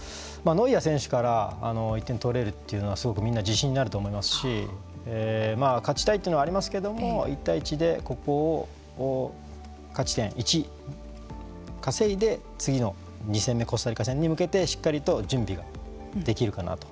ノイアー選手から１点取れるというのはすごくみんな自信になると思いますし勝ちたいというのはありますけども１対１でここを勝ち点１稼いで次の２戦目コスタリカ戦に向けてしっかりと準備ができるかなと。